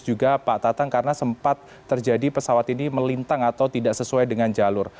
juga pak tatang karena sempat terjadi pesawat ini melintang atau tidak sesuai dengan jalur